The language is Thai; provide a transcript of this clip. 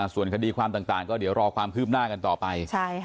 ส่วนคดีความต่างก็เดี๋ยวรอความคืบหน้ากันต่อไป